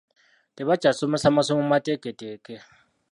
Tebakyasomesa masomo mateeketeeke.